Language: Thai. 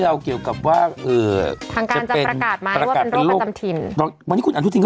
วันนี้คุณอันทุกทีก็ประกาศไหม